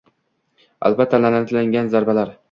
Albatta la'natlangan zarbalar